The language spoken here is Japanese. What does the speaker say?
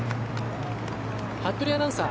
服部アナウンサー